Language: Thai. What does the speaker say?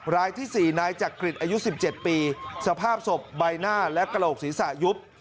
รายที่๔นายจักริตอายุ๑๗ปีสภาพศพใบหน้าและกระโหลกศีรษะยุบ